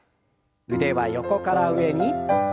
腕は横から上に。